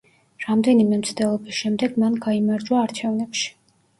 რამდენიმე მცდელობის შემდეგ მან გაიმარჯვა არჩევნებში.